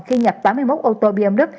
khi nhập tám mươi một ô tô bmw